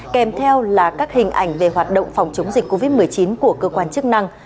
kèm theo là các hình ảnh về hoạt động phòng chống dịch covid một mươi chín của cơ quan chức năng